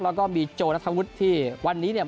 แล้วก็มีโจนัทธวุฒิที่วันนี้เนี่ย